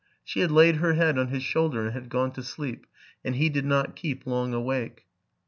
She had laid her head on his shoulder, and had gone to sleep ; and he did not keep long awake.